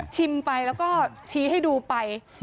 ไปแล้วก็ชี้ให้ดูไป